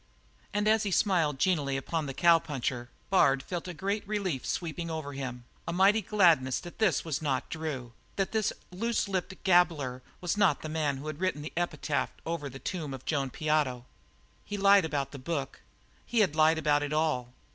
And as he smiled genially upon the cowpuncher, Bard felt a great relief sweep over him, a mighty gladness that this was not Drew that this looselipped gabbler was not the man who had written the epitaph over the tomb of Joan Piotto. He lied about the book; he had lied about it all.